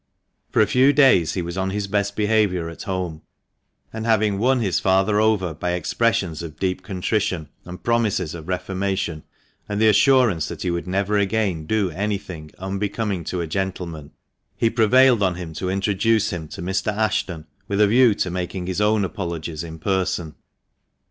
For a few days he was on his best behaviour at home ; and having won his father over by expressions of deep contrition, and promises of reformation, and the assurance that he would never again do anything " unbecoming a gentleman," he prevailed on him to introduce him to Mr. Ashton, with a view to making his own apologies in person.